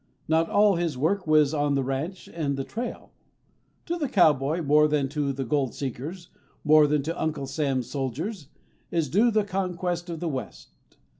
Not all his work was on the ranch and the trail. To the cowboy, more than to the goldseekers, more than to Uncle Sam's soldiers, is due the conquest of the West.